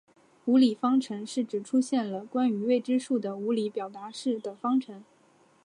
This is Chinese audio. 无理方程是指出现了关于未知数的无理表达式的方程。